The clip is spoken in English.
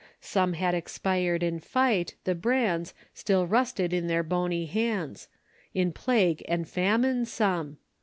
Some had expired in fight the brands Still rusted in their bony hands. In plague and famine some!